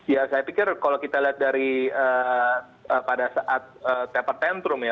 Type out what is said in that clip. ya saya pikir kalau kita lihat dari pada saat teper tentrum ya